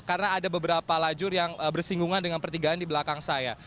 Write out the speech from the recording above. karena ada beberapa lajur yang bersinggungan dengan pertigaan di belakang saya